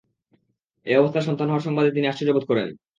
এ অবস্থায় সন্তান হওয়ার সংবাদে তিনি আশ্চর্যবোধ করেন।